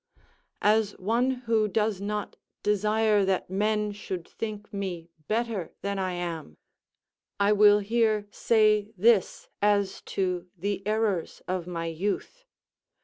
As one who does not desire that men should think me better than I am, I will here say this as to the errors of my youth.